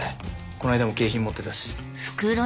この間も景品持ってたし。